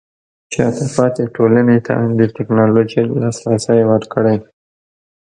شاته پاتې ټولنې ته د ټیکنالوژۍ لاسرسی ورکړئ.